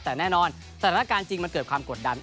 แต่แน่นอนสถานการณ์จริงมันเกิดความกดดัน